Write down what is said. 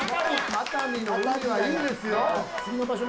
熱海の海はいいですよ。